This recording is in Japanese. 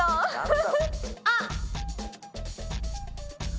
あっ！